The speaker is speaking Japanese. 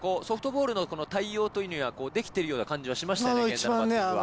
ソフトボールの対応というのはできているような感じは。